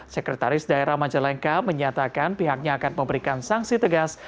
sekretaris daerah majalengka menyatakan pihaknya akan memberikan sanksi tegas